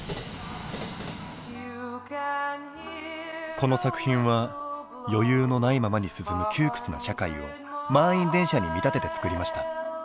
この作品は余裕のないままに進む窮屈な社会を満員電車に見立てて作りました。